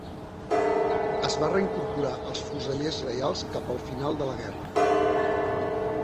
Es va reincorporar als Fusellers Reials cap al final de la guerra.